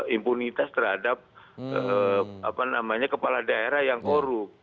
impunitas terhadap kepala daerah yang korup